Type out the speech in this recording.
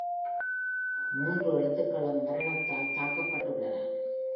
மூன்று எழுத்துகளும் மரணத்தால் தாக்கப்பட்டுள்ளன.